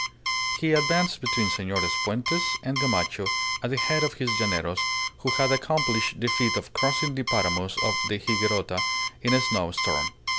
He advanced between Senores Fuentes and Gamacho at the head of his llaneros, who had accomplished the feat of crossing the Paramos of the Higuerota in a snow storm.